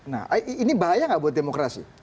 nah ini bahaya nggak buat demokrasi